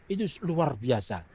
itu luar biasa